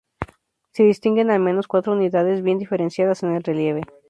Se distinguen al menos cuatro unidades bien diferenciadas en el relieve.